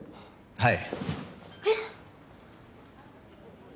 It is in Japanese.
はい。